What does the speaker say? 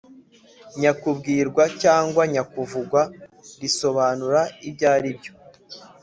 nyakubwirwa cyangwa nyakuvugwa risobanura ibyo ari byo .